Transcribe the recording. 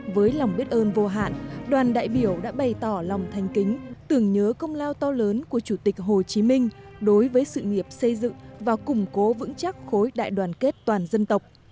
với lòng biết ơn vô hạn đoàn đại biểu đã bày tỏ lòng thanh kính tưởng nhớ công lao to lớn của chủ tịch hồ chí minh đối với sự nghiệp xây dựng và củng cố vững chắc khối đại đoàn kết toàn dân tộc